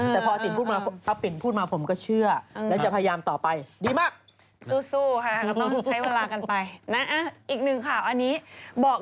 ถ้าไม่เอาผมขึ้นเราเป็นผมสมมันเด็กมาก